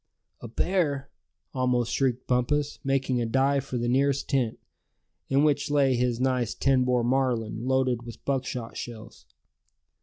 "A bear!" almost shrieked Bumpus, making a dive for the nearest tent, in which lay his nice ten bore Marlin, loaded with buckshot shells.